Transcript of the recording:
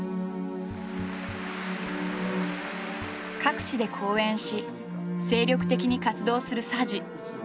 各地で講演し精力的に活動する佐治。